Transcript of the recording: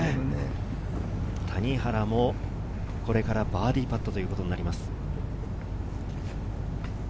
谷原もこれからバーディーパットということになります。